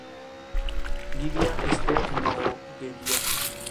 Lidia Esther Nogueira.